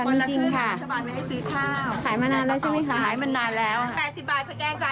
คือราคาถึงไหนมันขึ้นเท่าไหร่เราก็ราคา๘๐บาททุกนวดค่ะ